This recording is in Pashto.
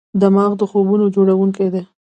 دماغ د خوبونو جوړونکی دی.